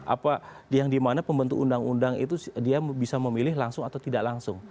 apa yang dimana pembentuk undang undang itu dia bisa memilih langsung atau tidak langsung